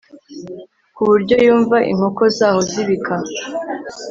ku buryo yumva inkoko zaho zibika